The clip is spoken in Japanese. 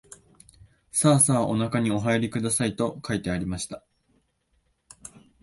さあさあおなかにおはいりください、と書いてありました